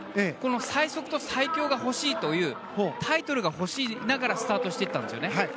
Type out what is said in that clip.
この最速と最強が欲しいというタイトルが欲しいながらスタートしていったんです。